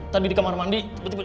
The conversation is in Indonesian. tadi di kamar mandi